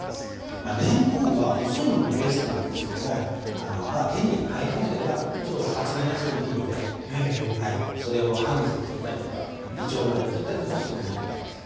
まあれんこんは細いものがベストなんですけども手に入らなければちょっと厚めのやつでもいいのでそれを半月に切ったりとかいちょう形に切ったりとかしてもいいと思います。